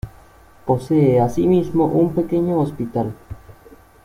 Posee asimismo un pequeño hospital.